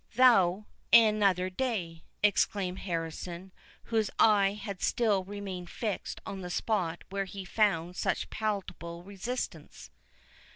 "Thou, another day!" exclaimed Harrison, whose eye had still remained fixed on the spot where he found such palpable resistance.